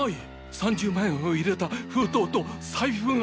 ３０万円を入れた封筒と財布が。